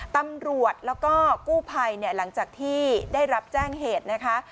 ตำรวจแล้วก็กู้ภัยเนี่ยหลังจากที่ได้รับแจ้งเหตุนะคะ